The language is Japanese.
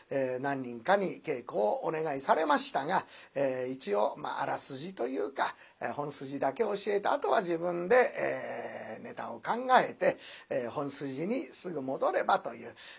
何人かに稽古をお願いされましたが一応あらすじというか本筋だけ教えてあとは自分でネタを考えて本筋にすぐ戻ればという。